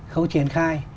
khâu triển khai